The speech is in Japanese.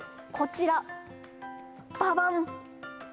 こちらババン！